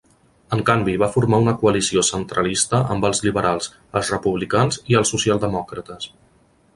En canvi, va formar una coalició "centralista" amb els Liberals, els Republicans i els Socialdemòcrates.